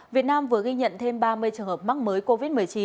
việt nam vừa ghi nhận thêm ba mươi trường hợp mắc mới covid một mươi chín